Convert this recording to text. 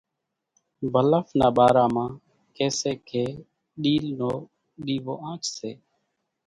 ڀلڦ نا ٻارا مان ڪي سي ڪي ڏِيل نو ۮيوو آنڇ سي۔